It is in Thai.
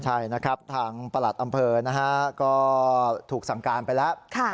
ใช่นะครับทางประหลัดอำเภอนะฮะก็ถูกสั่งการไปแล้ว